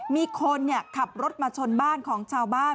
มีคนขับรถมาชนบ้านของชาวบ้าน